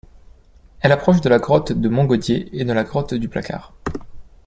Elle est proche de la grotte de Montgaudier et de la grotte du Placard.